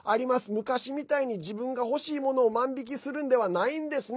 昔みたいに自分が欲しいものを万引きするんではないんですね。